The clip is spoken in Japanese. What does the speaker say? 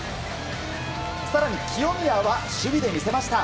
更に清宮は守備で見せました。